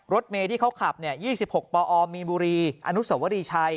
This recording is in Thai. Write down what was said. รถเมย์ที่เขาขับ๒๖ปอมีนบุรีอนุสวรีชัย